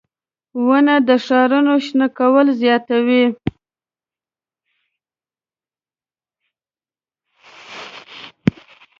• ونه د ښارونو شنه کول زیاتوي.